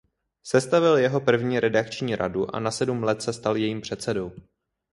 Sestavil jeho první redakční radu a na sedm let se stal jejím předsedou.